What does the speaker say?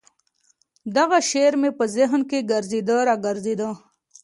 دغه شعر مې په ذهن کښې ګرځېده راګرځېده.